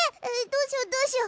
どうしよどうしよ！